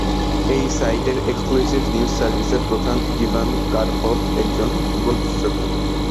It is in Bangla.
এই সাইটের এক্সক্লুসিভ নিউজ সার্ভিসের প্রধান ইভান কারপভ একজন ফুটবল বিশেষজ্ঞ।